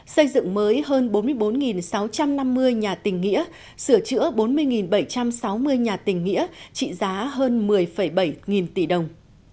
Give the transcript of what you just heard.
xây dựng mới hơn bốn mươi bốn sáu trăm năm mươi nhà tình nghĩa sửa chữa bốn mươi bảy trăm sáu mươi nhà tình nghĩa trị giá hơn một mươi bảy nghìn tỷ đồng